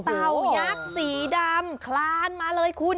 ตายักษ์สีดำคลานมาเลยคุณ